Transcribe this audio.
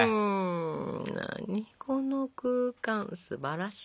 何この空間すばらしいですよ。